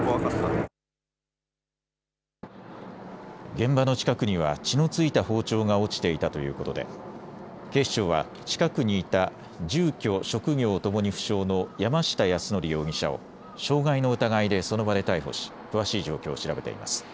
現場の近くには血の付いた包丁が落ちていたということで警視庁は近くにいた住居・職業ともに不詳の山下泰範容疑者を傷害の疑いでその場で逮捕し詳しい状況を調べています。